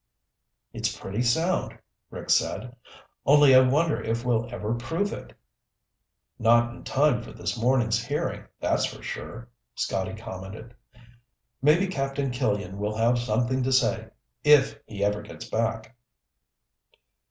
"It's pretty sound," Rick said. "Only I wonder if we'll ever prove it?" "Not in time for this morning's hearing, that's for sure," Scotty commented. "Maybe Captain Killian will have something to say. If he ever gets back."